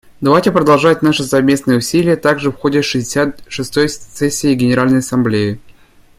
Давайте продолжать наши совместные усилия также в ходе шестьдесят шестой сессии Генеральной Ассамблеи.